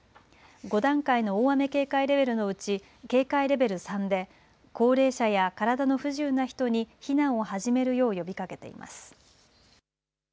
５段階の大雨警戒レベルのうち警戒レベル３で高齢者や体の不自由な人に避難を始めるよう呼びかけています。